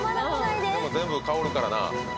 でも全部香るからな。